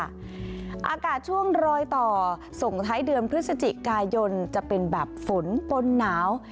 อากาศช่วงรอยต่อส่งท้ายเดือนพฤศจิกายนจะเป็นแบบฝนปนหนาว